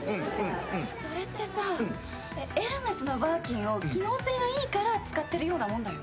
それってさエルメスのバーキンを機能性がいいから使ってるようなもんだよ。